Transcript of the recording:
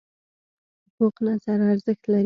پوخ نظر ارزښت لري